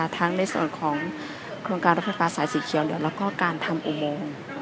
ในส่วนของโครงการรถไฟฟ้าสายสีเขียวเหลืองแล้วก็การทำอุโมง